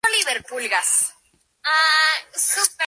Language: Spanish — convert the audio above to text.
Por esto, es frecuentemente usada en hornos.